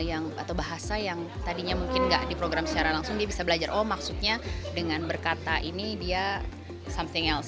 atau bahasa yang tadinya mungkin nggak di program secara langsung dia bisa belajar oh maksudnya dengan berkata ini dia something out